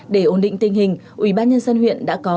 để ổn định tình hình ubnd huyện đã có